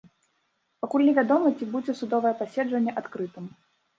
Пакуль невядома, ці будзе судовае паседжанне адкрытым.